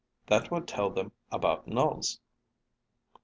That will tell them about nulls."